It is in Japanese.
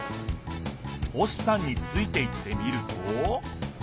星さんについていってみると？